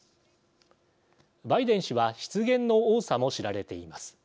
バイデン氏は失言の多さも知られています。